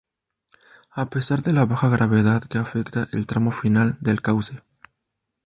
A pesar de la baja gravedad que afecta al tramo final del cauce.